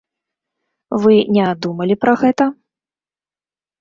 Вы не думалі пра гэта?